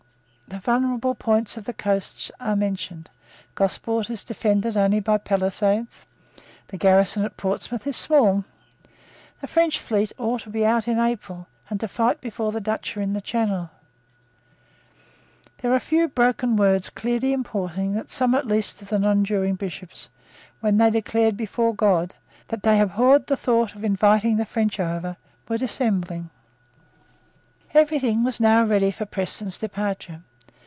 The vulnerable points of the coast are mentioned. Gosport is defended only by palisades. The garrison of Portsmouth is small. The French fleet ought to be out in April, and to fight before the Dutch are in the Channel. There are a few broken words clearly importing that some at least of the nonjuring bishops, when they declared, before God, that they abhorred the thought of inviting the French over, were dissembling, Every thing was now ready for Preston's departure.